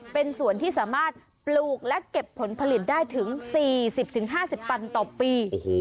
เป็นส่วนที่สามารถปลูกและเก็บผลผลิตได้ถึง๔๐๕๐ตันต่อปี